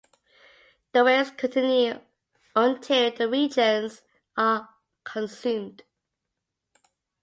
The waves continue until the reagents are consumed.